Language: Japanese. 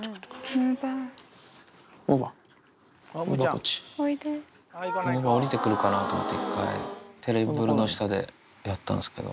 むぅばあ下りてくるかなと思って一回テーブルの下でやったんですけど。